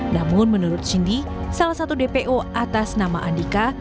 namun menurut cindy salah satu dpo atas nama andika